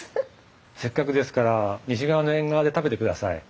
せっかくですから西側の縁側で食べてください。